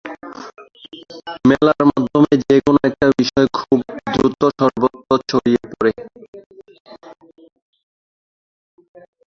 মেলার মাধ্যমে যে কোন একটা বিষয় খুব দ্রুত সর্বত্র ছড়িয়ে পড়ে।